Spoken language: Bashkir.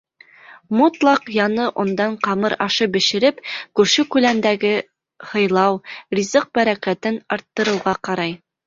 Мотлаҡ яңы ондан ҡамыр ашы бешереп күрше-күләндәге һыйлау, ризыҡ бәрәкәтен арттырыуға ҡарай.